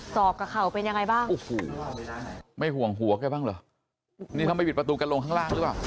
อกกับเข่าเป็นยังไงบ้างโอ้โหไม่ห่วงหัวแกบ้างเหรอนี่ถ้าไม่ปิดประตูกันลงข้างล่างหรือเปล่า